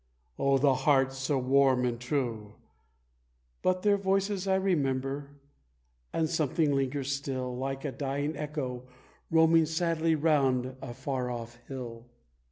Oh, the hearts so warm and true! But their voices I remember, and a something lingers still, Like a dying echo roaming sadly round a far off hill.